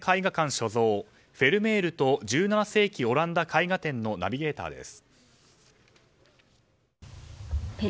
所蔵フェルメールと１７世紀オランダ絵画展のナビゲーターです。